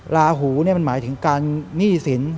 ลาหูมันหมายถึงการหนี้สิน